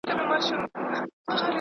راځه ولاړ سه له نړۍ د انسانانو `